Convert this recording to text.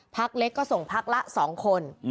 พักเล็กก็ส่งพักละ๒คน